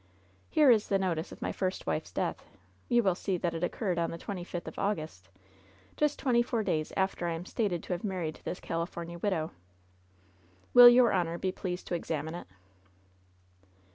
Here is the notice of my first wife's death. You will see that it occurred on the twenty fifth of August, just twenty four days after I am stated to have married this California widow. Will your honor be pleased to examine it